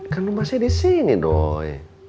kan lu masih di sini doy